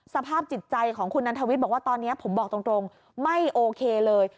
สภาพจิตใจของคุณนันทวิทย์บอกว่าตอนนี้ผมบอกตรงไม่โอเคเลย